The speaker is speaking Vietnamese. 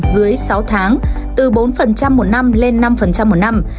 dưới sáu tháng từ bốn một năm lên năm một năm